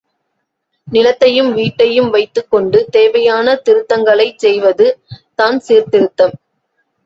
நிலத்தையும், வீட்டையும் வைத்துக்கொண்டு தேவையான திருத்தங்களைச் செய்வது தான் சீர்திருத்தம்.